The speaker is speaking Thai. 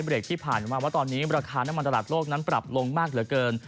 เรียกที่ผ่านมาว่าตอนนี้ราคาน้ำมันตลาดโลกนั้นปรับลงมากเหลือเกิน